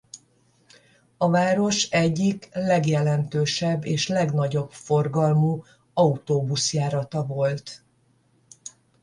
A város egyik legjelentősebb és legnagyobb forgalmú autóbuszjárata volt.